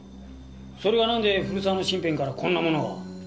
それがなんで古沢の身辺からこんなものが？